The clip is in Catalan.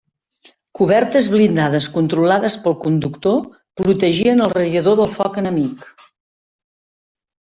Cobertes blindades controlades pel conductor protegien el radiador del foc enemic.